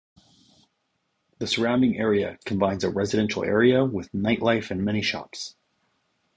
The surrounding area combines a residential area with night life and many shops.